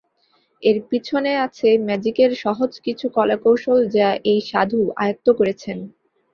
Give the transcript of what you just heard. এর পিছনে আছে ম্যাজিকের সহজ কিছু কলাকৌশল, যা এই সাধু আয়ত্ত করেছেন।